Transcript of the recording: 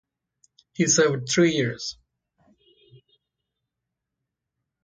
He served three years.